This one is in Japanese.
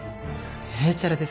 へいちゃらです。